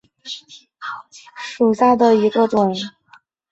白马薹草为莎草科薹草属下的一个种。